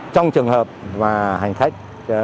trong trường hợp mà hành khách